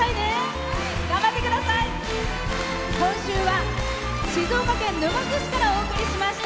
今週は静岡県沼津市からお送りしました。